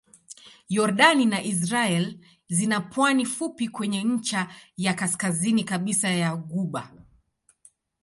Yordani na Israel zina pwani fupi kwenye ncha ya kaskazini kabisa ya ghuba.